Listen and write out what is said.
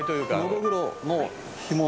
ノドグロの干物。